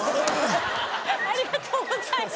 ありがとうございます。